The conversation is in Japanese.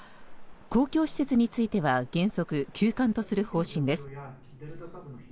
公共施設については原則、休館とする方針です。